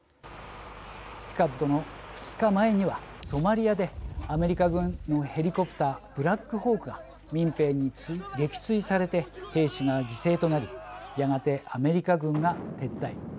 ＴＩＣＡＤの２日前にはソマリアでアメリカ軍のヘリコプターブラックホークが民兵に撃墜されて兵士が犠牲となりやがてアメリカ軍が撤退。